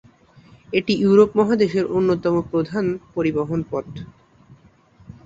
এটি ইউরোপ মহাদেশের অন্যতম প্রধান পরিবহন পথ।